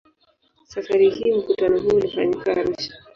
Safari hii mkutano huo ulifanyika Arusha.